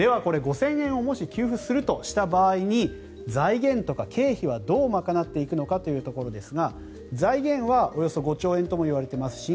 もし、５０００円を給付するとした場合に財源とか経費はどう賄っていくのかですが財源はおよそ５兆円とも言われています